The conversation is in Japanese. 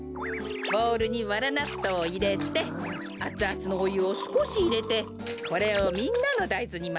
ボウルにわらなっとうをいれてあつあつのおゆをすこしいれてこれをみんなのだいずにまぜますよ。